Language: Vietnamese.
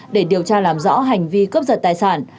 để điều tra làm rõ hành vi cướp giật tài sản